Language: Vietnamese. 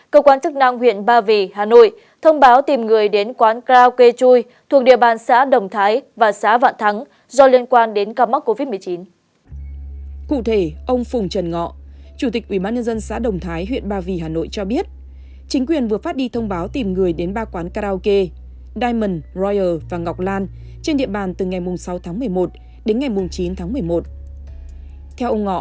cơ quan chức năng hà tĩnh nghệ an đề nghị người dân đã từng đến quán karaoke an hồng từ ngày ba tháng một mươi một đến một mươi một tháng một mươi một